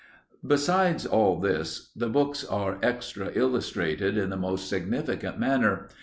Besides all this, the books are extra illustrated in the most significant manner.